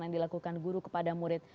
yang dilakukan guru kepada murid